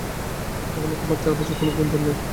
এখনই তোমার চারপাশে কোন গুঞ্জন নেই।